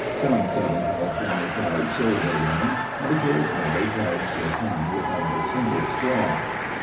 Some Southern California tribes sold their women and occasionally tribes were found without a single squaw.